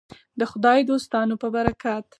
د خدای دوستانو په برکت.